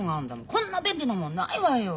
こんな便利なものないわよ！